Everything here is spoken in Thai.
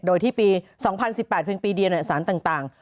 โดยที่ปี๒๐๑๘เพียงปีเดียวสารต่าง